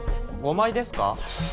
５枚ですか？